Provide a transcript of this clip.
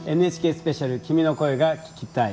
「ＮＨＫスペシャル君の声が聴きたい」。